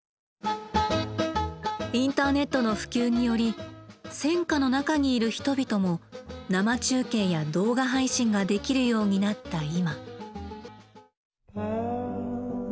インターネットの普及により戦火の中にいる人々も生中継や動画配信ができるようになった今。